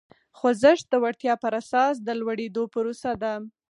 خوځښت د وړتیا پر اساس د لوړېدو پروسه ده.